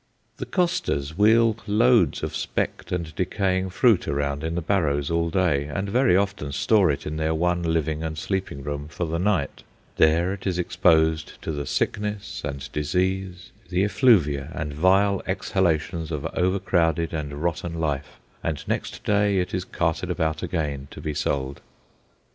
The costers wheel loads of specked and decaying fruit around in the barrows all day, and very often store it in their one living and sleeping room for the night. There it is exposed to the sickness and disease, the effluvia and vile exhalations of overcrowded and rotten life, and next day it is carted about again to be sold.